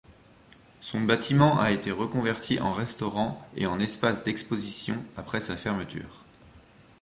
Son bâtiment a été reconverti en restaurant et en espace d’expositions après sa fermeture.